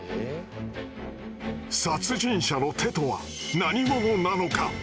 「殺人者の手」とは何ものなのか？